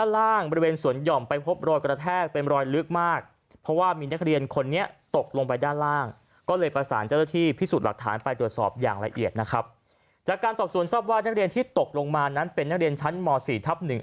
ละเอียดนะครับจากการสอบส่วนทรัพย์ว่านักเรียนที่ตกลงมานั้นเป็นนักเรียนชั้นหมอสี่ทับหนึ่ง